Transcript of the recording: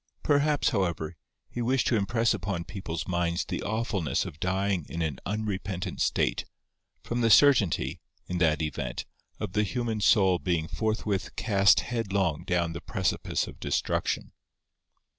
Perhaps, however, he wished to impress upon people's minds the awfulness of dying in an unrepentant state, from the certainty, in that event, of the human soul being forthwith cast headlong down the precipice of destruction.